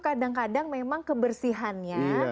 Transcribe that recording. kadang kadang memang kebersihannya